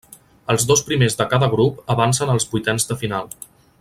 Els dos primers de cada grup avancen als vuitens de final.